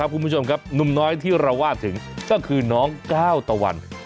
แล้วคุณผู้ชมครับน้ำน้อยที่เราวาดถึงก็คือน้องเก้าตวรรณ